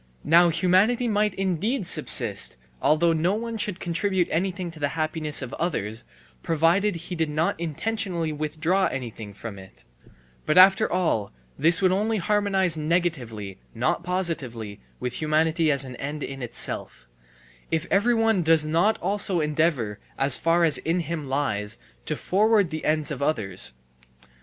Now humanity might indeed subsist, although no one should contribute anything to the happiness of others, provided he did not intentionally withdraw anything from it; but after all this would only harmonize negatively not positively with humanity as an end in itself, if every one does not also endeavour, as far as in him lies, to forward the ends of others.